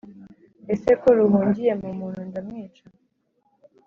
ese ko ruhungiye mu muntu, ndamwica?